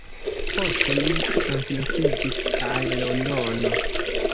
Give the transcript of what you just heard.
Poste li translokiĝis al Londono.